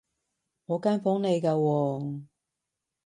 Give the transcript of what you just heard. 我間房嚟㗎喎